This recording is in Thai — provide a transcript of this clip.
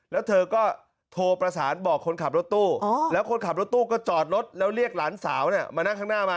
แล้วเธอก็โทรประสานบอกคนขับรถตู้แล้วคนขับรถตู้ก็จอดรถแล้วเรียกหลานสาวมานั่งข้างหน้ามา